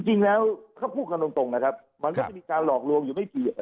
จริงแล้วถ้าพูดกันตรงมันก็จะมีการหลอกลวงอยู่ไม่ที